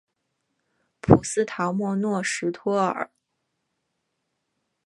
普斯陶莫诺什托尔。